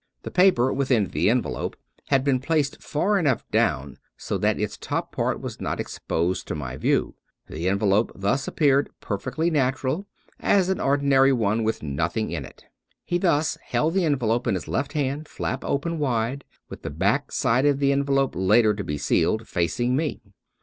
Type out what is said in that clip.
The paper within the envelope had been placed far enough down so that its top part was not exposed to my view. The envelope thus ap peared perfectly natural, as an ordinary one with nothing in it. He thus held the envelope in his left hand, flap open wide, with the back side of the envelope later to be sealed, facing me.